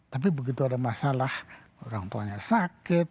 tapi begitu ada masalah orang tuanya sakit